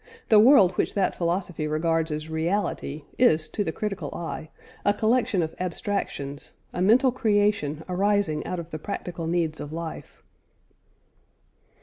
The world which that philosophy regards as reality, is, to the critical eye, a collection of abstractions, a mental creation arising out of the practical needs of life.